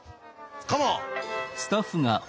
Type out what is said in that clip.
カモン！